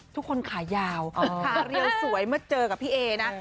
ขายาวขาเรียวสวยเมื่อเจอกับพี่เอนะ